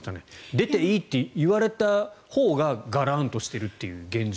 出ていいって言われたほうががらんとしているという現状。